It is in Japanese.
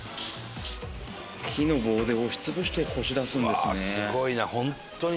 木の棒で押し潰してこし出すんですね。